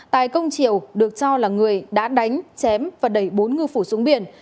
tài công triều được cho là người đã đánh chém và đẩy bốn ngư phủ xuống biển